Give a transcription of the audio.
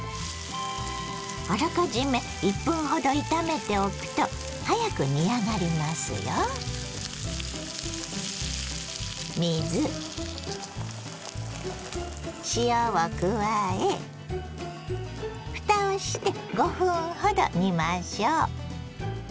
あらかじめ１分ほど炒めておくと早く煮上がりますよ。を加えふたをして５分ほど煮ましょう。